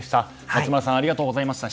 松丸さんありがとうございました。